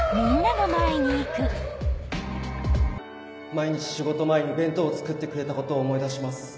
毎日仕事前に弁当を作ってくれたことを思い出します。